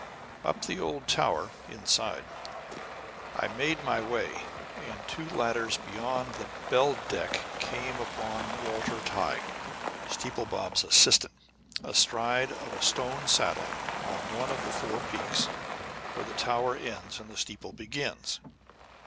Up the old tower (inside) I made my way, and two ladders beyond the "bell deck" came upon Walter Tyghe, "Steeple Bob's" assistant, astride of a stone saddle on one of the four peaks where the tower ends and the steeple begins.